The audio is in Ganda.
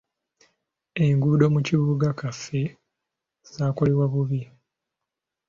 Enguudo mu kibuga kaffe zaakolebwa bubi.